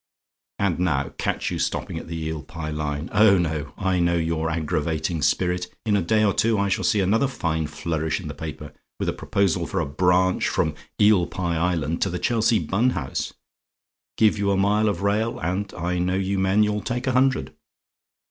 "And now, catch you stopping at the Eel Pie line! Oh no; I know your aggravating spirit. In a day or two I shall see another fine flourish in the paper, with a proposal for a branch from Eel Pie Island to the Chelsea Bun house. Give you a mile of rail, and I know you men you'll take a hundred.